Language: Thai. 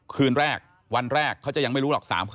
คืนแรกวันแรกเขาจะยังไม่รู้หรอก